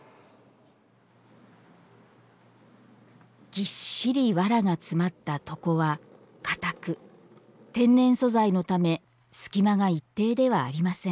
ぎっしりわらが詰まった床はかたく天然素材のため隙間が一定ではありません。